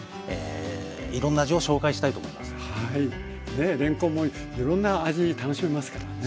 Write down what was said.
ねえれんこんもいろんな味楽しめますからね。